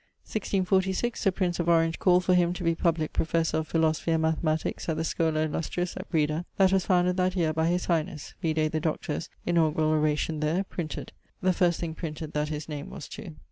1646, the prince of Orange called for him to be publique professor of Philosophy and Mathematiques at the Schola Illustris at Breda, that was founded that yeare by his Highnesse; vide the Doctor's inaugurall oration there, printed the first thing printed that his name was to.